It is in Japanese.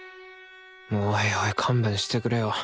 おいおい勘弁してくれよ。